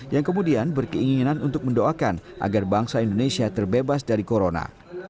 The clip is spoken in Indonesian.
yang kemudian berkeinginan untuk mendoakan agar bangsa indonesia terbebas dari corona